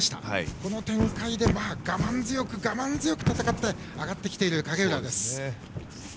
この展開では我慢強く戦って上がってきている影浦です。